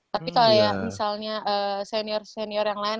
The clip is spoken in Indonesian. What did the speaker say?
tapi kalau misalnya senior senior yang lain